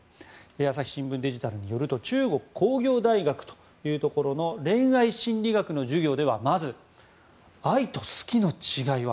朝日新聞デジタルによると中国鉱業大学というところの恋愛心理学の授業ではまず、愛と好きの違いは。